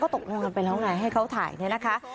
ก็ตกลงไปแล้วไงให้เขาถ่ายนะคะ